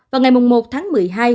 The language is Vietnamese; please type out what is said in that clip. vào ngày một tháng một mươi hai